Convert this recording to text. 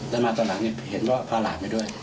แต่มาตอนหลังเห็นว่าพาหลานไปด้วย